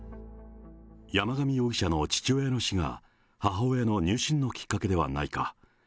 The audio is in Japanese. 山上容疑者の父親の死が母親の入信のきっかけではないか。